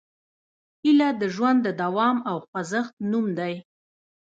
هیله د ژوند د دوام او خوځښت نوم دی.